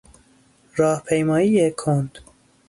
راهپیمایی کند